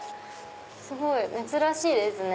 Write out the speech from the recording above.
すごい珍しいですね。